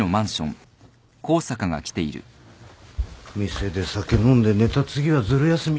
店で酒飲んで寝た次はずる休み。